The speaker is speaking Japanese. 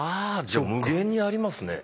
じゃあ無限にありますね。